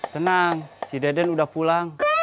tenang si deden udah pulang